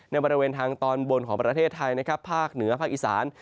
บริเวณทางตอนบนของประเทศไทยนะครับภาคเหนือภาคอีสาน